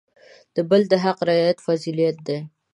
د بل د حق رعایت فضیلت دی.